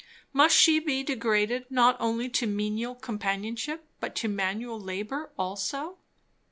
Must she be degraded not only to menial companionship but to manual labour also?